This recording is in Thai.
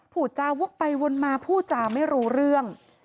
พูดจาวกไปวนมาพูดจาไม่รู้เรื่อง